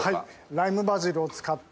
ライムバジルを使った。